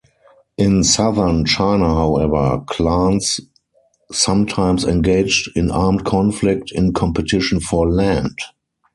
In southern China, however, clans sometimes engaged in armed conflict in competition for land.